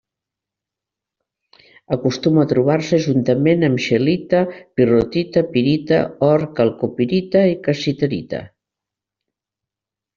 Acostuma a trobar-se juntament amb scheelita, pirrotita, pirita, or, calcopirita i cassiterita.